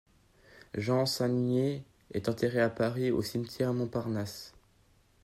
Jean Sangnier est enterré à Paris au cimetière Montparnasse.